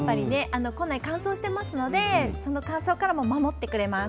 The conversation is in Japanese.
庫内乾燥してますのでその乾燥からも守ってくれます。